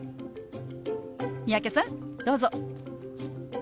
三宅さんどうぞ。